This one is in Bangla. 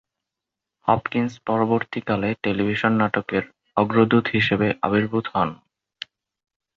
হপকিন্স পরবর্তীকালে টেলিভিশন নাটকের অগ্রদূত হিসেবে আবির্ভূত হন।